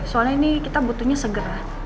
soalnya ini kita butuhnya segera